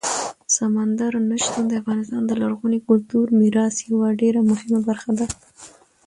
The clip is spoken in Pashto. سمندر نه شتون د افغانستان د لرغوني کلتوري میراث یوه ډېره مهمه برخه ده.